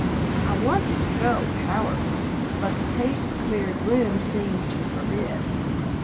I wanted to go powerfully, but the paste smeared room seemed to forbid.